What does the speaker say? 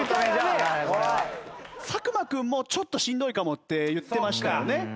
作間君も「ちょっとしんどいかも」って言ってましたよね。